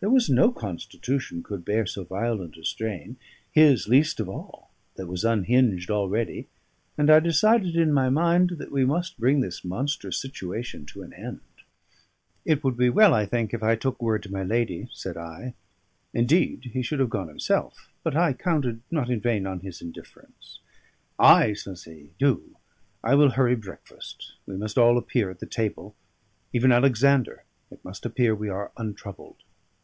There was no constitution could bear so violent a strain his least of all, that was unhinged already; and I decided in my mind that we must bring this monstrous situation to an end. "It would be well, I think, if I took word to my lady," said I. Indeed, he should have gone himself, but I counted not in vain on his indifference. "Ay," says he, "do. I will hurry breakfast: we must all appear at the table, even Alexander; it must appear we are untroubled."